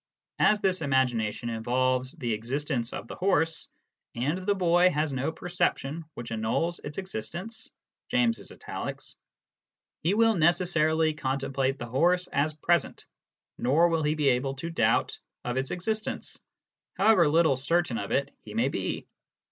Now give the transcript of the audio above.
As this imagination involves the existence of the horse, and the boy has no perception which annuls its existence [James' italics], he will necessarily con template the horse as present, nor will he be able to doubt of its existence, however little certain of it he may be.